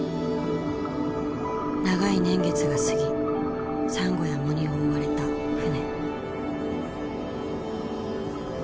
長い年月が過ぎサンゴや藻に覆われた船。